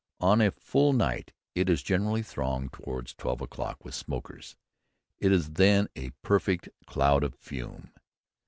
On a full night it is generally thronged towards twelve o'clock with smokers. It is then a perfect cloud of fume.